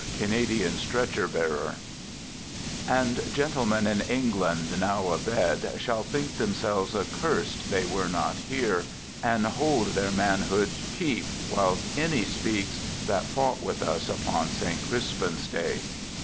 CANADIAN STRETCHER BEARER And gentlemen in England now a bed, Shall think themselves accurs'd they were not here; And hold their manhoods cheap whiles any speaks That fought with us upon Saint Crispin's day.